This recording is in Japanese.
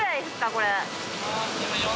これ。